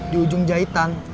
di ujung jahitan